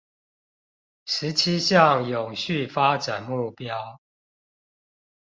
十七項永續發展目標